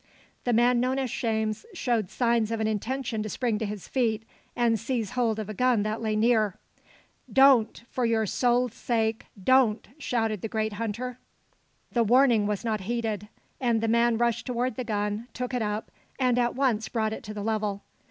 The man known as "Shames," showed signs of an intention to spring to his feet and seize hold of a gun that lay near. "Don't! for your soul's sake, don't!" shouted the great hunter. The warning was not heeded; and the man rushed toward the gun, took it up and at once brought it to the level.